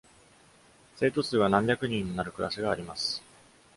生徒数が何百人にもなるクラスがあります。